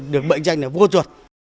được bẫy cho anh là vô chuột